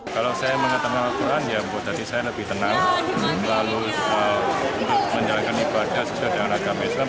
kalau saya mengetahui al quran ya buat saya lebih tenang